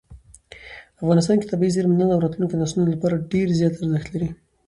افغانستان کې طبیعي زیرمې د نن او راتلونکي نسلونو لپاره ډېر زیات ارزښت لري.